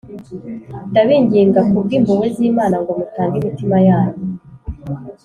ndabinginga ku bw impuhwe z imana ngo mutange imitima yanyu